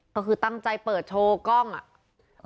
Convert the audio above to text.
ก็คือตั้งใจเปิดโชว์กล้องอ่ะ